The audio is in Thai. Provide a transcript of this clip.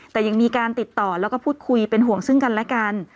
แต่ยังมีการติดต่อแล้วก็พูดคุยเป็นห่วงซึ่งกันและกัน